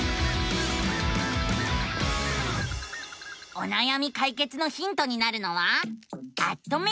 おなやみ解決のヒントになるのは「アッ！とメディア」。